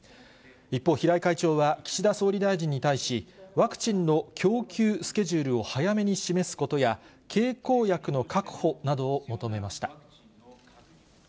一方、平井会長は岸田総理大臣に対し、ワクチンの供給スケジュールを早めに示すことや、経口薬の確保などを求めました。